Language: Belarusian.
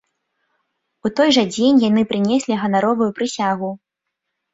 У той жа дзень яны прынеслі ганаровую прысягу.